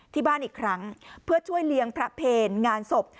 ที่บ้านอีกครั้งเพื่อช่วยเลี้ยงพระเพลงานศพ